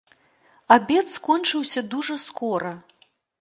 Абед скончыўся дужа скора.